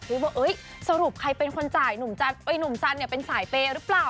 ทริปว่าสรุปใครเป็นคนจ่ายหนุ่มซันเป็นสายเป๊ะหรือเปล่า